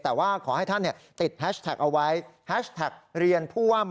แต่ว่าขอให้ท่านเนี่ย